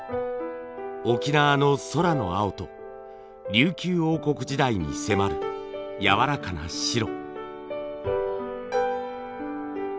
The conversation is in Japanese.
沖縄の空の青と琉球王国時代に迫るやわらかな白。